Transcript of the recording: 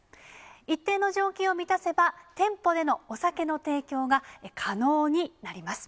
一定の条件を満たせば、店舗でのお酒の提供が可能になります。